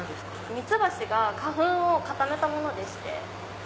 蜜蜂が花粉を固めたものでして。